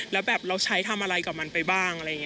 แล้วแบบเราใช้ทำอะไรกับมันไปบ้าง